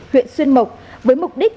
huyện xuân mộc với mục đích